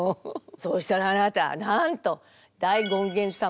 そうしたらあなたなんと大権現様